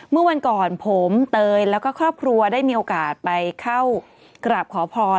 เมื่อวันก่อนผมเตยแล้วก็ครอบครัวได้มีโอกาสไปเข้ากราบขอพร